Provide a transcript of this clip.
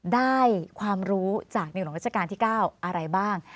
ได้ความรู้จากในหลวงราชการที่๙อะไรบ้าง